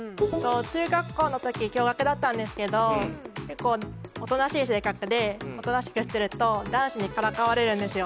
中学校のとき共学だったんですけど結構おとなしい性格でおとなしくしてると男子にからかわれるんですよ